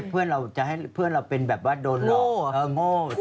เพื่อนเราจะให้เพื่อนเราเป็นแบบว่าโดนโง่โง่